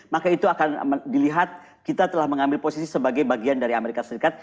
maka itu akan dilihat kita telah mengambil posisi sebagai bagian dari amerika serikat